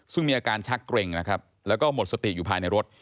ซึ่งมีอาการชักเกร็งนะครับแล้วก็หมดสติอยู่ภายในรถ